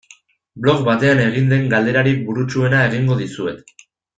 Blog batean egin den galderarik burutsuena egingo dizuet.